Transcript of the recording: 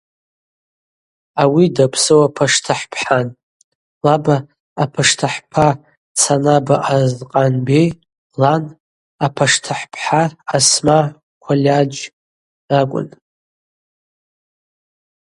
Ауи дапсыуа паштыхӏпхӏан, лаба апаштыхӏпа Цанаба Арзкъан бей, лан – апаштыхӏпхӏа Асмаа Кӏвальадж ракӏвын.